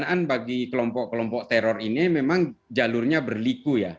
pendanaan bagi kelompok kelompok teror ini memang jalurnya berliku ya